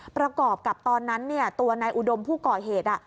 ประกอบกับตอนนั้นตัวนายอุดมผู้ก่อเหตุ